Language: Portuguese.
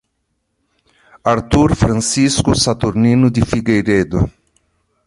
Artur Francisco Saturnino de Figueiredo